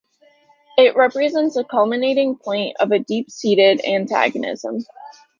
It represents the culminating point of a deep seated antagonism.